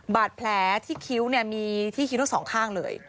บาดแผลที่คิ้วเนี่ยมีที่คิ้วทั้งสองข้างเลย